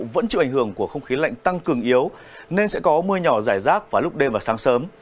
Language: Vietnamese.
khối không khí lạnh tăng cường yếu nên sẽ có mưa nhỏ giải rác vào lúc đêm và sáng sớm